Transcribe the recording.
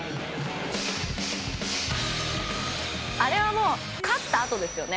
あれはもう勝ったあとですよね。